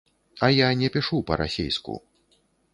А я не пішу па-расейску.